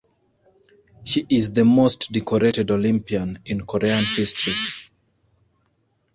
She is the most decorated Olympian in Korean history.